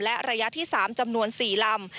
และระยะที่๓จำนวน๔ลำ